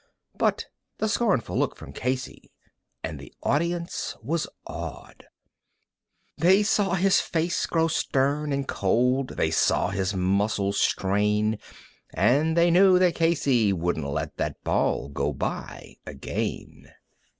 But the scornful look from Casey, and the audience was awed; They saw his face grow stern and cold, they saw his muscles strain, And they knew that Casey wouldn't let that ball go by again.